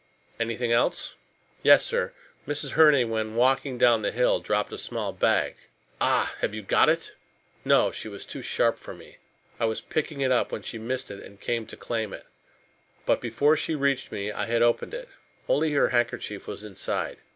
Anything else?" "Yes, sir. Mrs. Herne when walking down the hill dropped a small bag." "Ah! Have you got it?" "No. She was too sharp for me. I was picking it up when she missed it and came to claim it. But before she reached me I had opened it. Only her handkerchief was inside.